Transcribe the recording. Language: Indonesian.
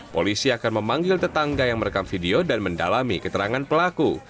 polisi akan memanggil tetangga yang merekam video dan mendalami keterangan pelaku